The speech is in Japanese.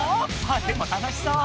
あでも楽しそう。